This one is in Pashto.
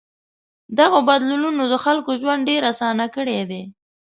دغو بدلونونو د خلکو ژوند ډېر آسان کړی دی.